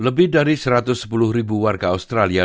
lebih dari satu ratus sepuluh ribu warga australia